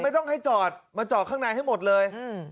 ไม่ต้องให้จอดมาจอดข้างในให้หมดเลย